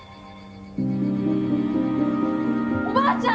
おばあちゃん！